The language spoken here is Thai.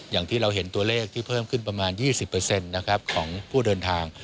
อย่างที่เราเห็นตัวเลขที่เพิ่มขึ้นประมาณ๒๐นะครับของผู้เดินทาง